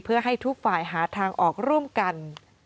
เพื่อให้ทุกฝ่ายหาทางออกร่วมกัน